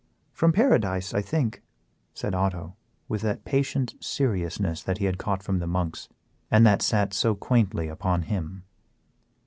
"From paradise, I think," said Otto, with that patient seriousness that he had caught from the monks, and that sat so quaintly upon him.